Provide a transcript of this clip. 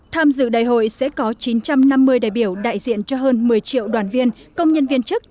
tham dự đại hội sẽ có chín trăm năm mươi đại biểu đại diện cho hơn một mươi triệu đoàn viên công nhân viên chức trong cả nước